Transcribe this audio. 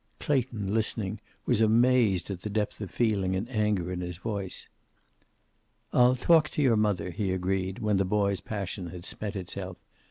Clayton, listening, was amazed at the depth of feeling and anger in his voice. "I'll talk to your mother," he agreed, when the boy's passion had spent itself.